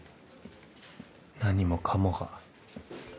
何もかもが